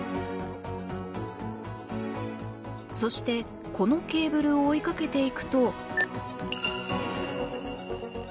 そしてこのケーブルを追いかけていくと